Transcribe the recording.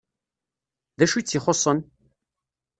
D acu i tt-ixuṣṣen?